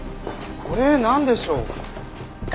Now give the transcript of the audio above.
これなんでしょう？